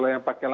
korban guru ini